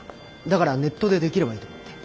だからネットでできればいいと思って。